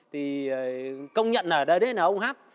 thì công nhận là đấy là ông hát